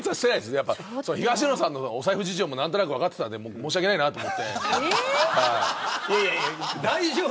東野さんのお財布事情も何となく分かってたので申し訳ないなと思って。